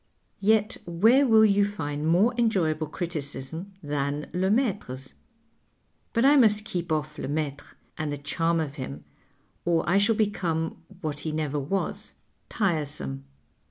'' Yet where will you find more enjoyable criticism than Lemaitre's ? But I must keep off Lemaitrc and the charm of him, or I shall become, what he never was, tiresome.